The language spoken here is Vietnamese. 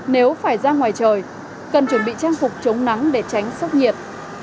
nếu phải ra ngoài trời cần chuẩn bị trang phục chống nắng để tránh sốc nhiệt